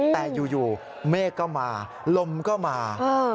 แต่อยู่เมฆก็มาลมก็มา